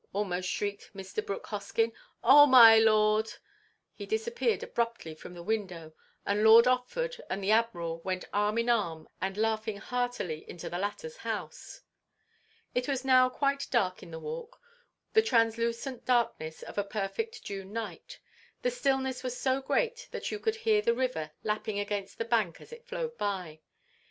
almost shrieked Mr. Brooke Hoskyn. "Oh, my Lord!" He disappeared abruptly from the window, and Lord Otford and the Admiral went arm in arm and laughing heartily into the latter's house. It was now quite dark in the Walk: the translucent darkness of a perfect June night. The stillness was so great that you could hear the river lapping against the bank as it flowed by.